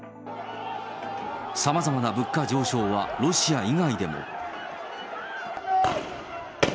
さまざまな物価上昇はロシア以外でも。